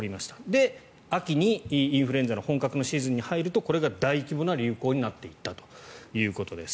で、秋にインフルエンザの本格のシーズンに入るとこれが大規模な流行になっていったということです。